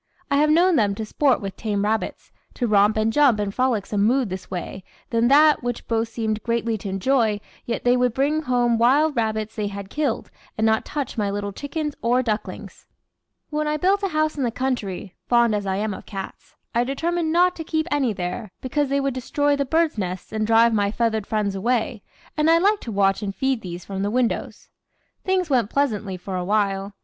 I have known them to sport with tame rabbits, to romp and jump in frolicsome mood this way, then that, which both seemed greatly to enjoy, yet they would bring home wild rabbits they had killed, and not touch my little chickens or ducklings. [Illustration: "THE OLD LADY."] When I built a house in the country, fond as I am of cats, I determined not to keep any there, because they would destroy the birds' nests and drive my feathered friends away, and I liked to watch and feed these from the windows. Things went pleasantly for awhile.